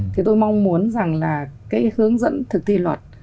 thì tôi mong muốn rằng là cái hướng dẫn thực thi luật